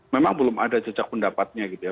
memang belum ada jejak pendapatnya gitu ya